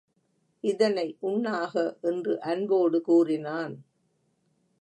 இதனை உண்ணாக! என்று அன்போடு கூறினான்.